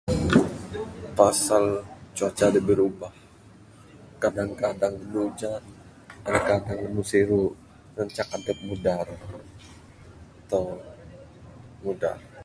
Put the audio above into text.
Pasal cuaca da birubah...kadang kadang andu ujan kadang kadang andu siru ngancak adep mudar...atau mudar.